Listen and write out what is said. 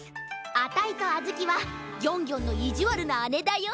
あたいとあずきはギョンギョンのいじわるなあねだよ。